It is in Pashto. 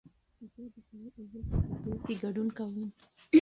زه د سړو اوبو په فعالیت کې ګډون کوم.